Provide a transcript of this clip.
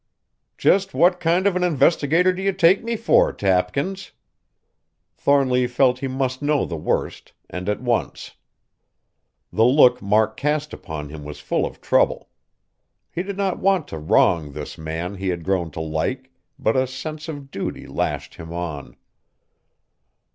"Just what kind of an investigator do you take me for, Tapkins?" Thornly felt he must know the worst, and at once. The look Mark cast upon him was full of trouble. He did not want to wrong this man he had grown to like, but a sense of duty lashed him on.